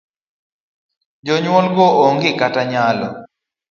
Jonyuol go ong'e kod nyalo.